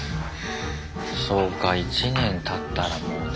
そうか１年たったらもうね。